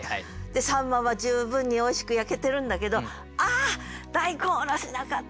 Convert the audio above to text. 秋刀魚は十分においしく焼けてるんだけど「あ！大根おろし無かった！」。